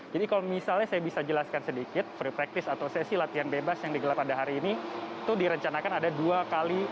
jadi kalau misalnya saya bisa jelaskan sedikit free practice atau sesi latihan bebas yang digelar pada hari ini itu direncanakan ada dua kali